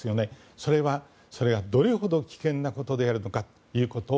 それはそれがどれほど危険なことであるのかということを